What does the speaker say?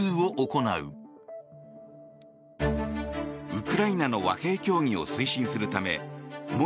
ウクライナの和平協議を推進するため元